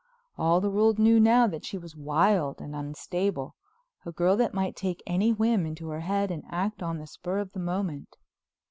All the world knew now that she was wild and unstable, a girl that might take any whim into her head and act on the spur of the moment.